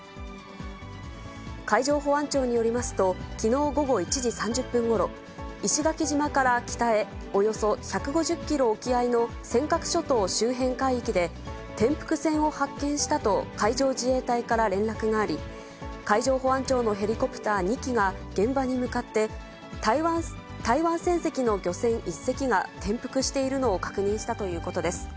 海上保安庁によりますと、きのう午後１時３０分ごろ、石垣島から北へ、およそ１５０キロ沖合の尖閣諸島周辺海域で、転覆船を発見したと、海上自衛隊から連絡があり、海上保安庁のヘリコプター２機が現場に向かって、台湾船籍の漁船１隻が転覆しているのを確認したということです。